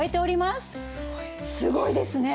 すごいですね！